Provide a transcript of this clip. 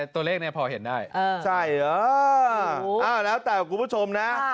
ตัวเลขนี้พอเห็นได้ใช่เหรอแล้วแต่คุณผู้ชมนะ